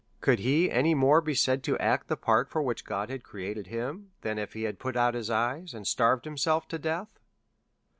Could he any more be said to act the part for which God had created him, than if he had put out his eyes, or starved himself to death?